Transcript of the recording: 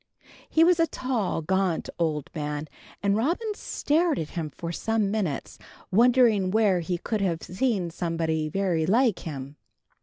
He was a tall, gaunt old man, and Robin stared at him for some minutes, wondering where he could have seen somebody very like him.